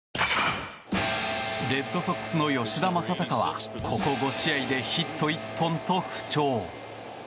レッドソックスの吉田正尚はここ５試合でヒット１本と不調。